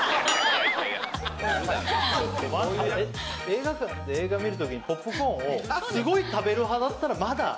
映画館で映画見るときにポップコーンをすごい食べる派だったらまだ。